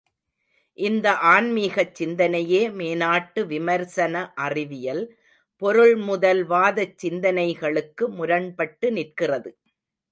இந்த ஆன்மீகச் சிந்தனையே, மேநாட்டு விமர்சன அறிவியல், பொருள்முதல்வாதச் சிந்தனைகளுக்கு முரண்பட்டு நிற்கிறது.